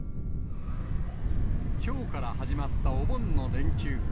きょうから始まったお盆の連休。